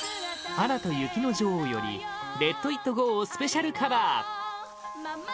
「アナと雪の女王」より「レット・イット・ゴー」をスペシャルカバー